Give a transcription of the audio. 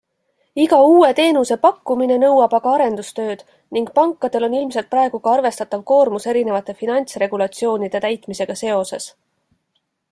Iga uue teenuse pakkumine nõuab aga arendustööd ning pankadel on ilmselt praegu ka arvestatav koormus erinevate finantsregulatsioonide täitmisega seoses.